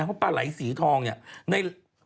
เพราะปลาไหลสีทองเนี่ยใน